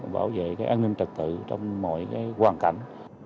bảo vệ cái an ninh trật tự trong mọi cái hoàn cảnh